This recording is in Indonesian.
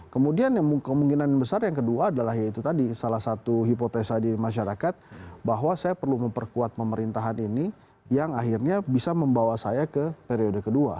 kemudian kemungkinan besar yang kedua adalah ya itu tadi salah satu hipotesa di masyarakat bahwa saya perlu memperkuat pemerintahan ini yang akhirnya bisa membawa saya ke periode kedua